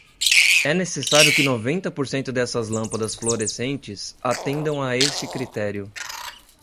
É necessário que noventa por cento dessas lâmpadas fluorescentes atendam a esse critério.